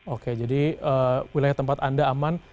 oke jadi wilayah tempat anda aman